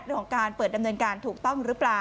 เรื่องของการเปิดดำเนินการถูกต้องหรือเปล่า